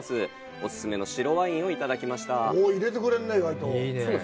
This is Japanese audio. オススメの白ワインをいただきました。